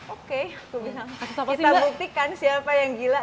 oke kita buktikan siapa yang gila